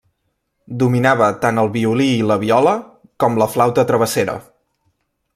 Dominava tant el violí i la viola com la flauta travessera.